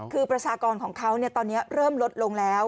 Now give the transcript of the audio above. คือประชากรของเขาตอนนี้เริ่มลดลงแล้ว